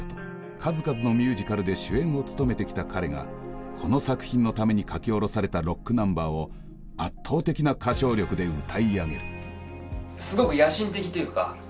数々のミュージカルで主演を務めてきた彼がこの作品のために書き下ろされたロックナンバーを圧倒的な歌唱力で歌い上げる。